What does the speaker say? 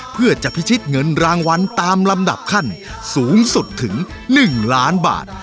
เพื่อจะพิชิตเงินรางวัลตามลำดับขั้นสูงสุดถึง๑ล้านบาท